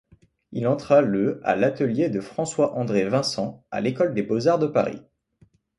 Il entra le à l'atelier de François-André Vincent à l'École des beaux-arts de Paris.